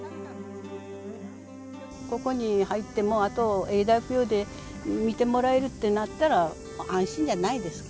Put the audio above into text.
ここに入って、もうあと永代供養で見てもらえるってなったら、安心じゃないですか。